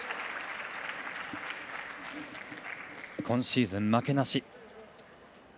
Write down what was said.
今シーズン負けなし。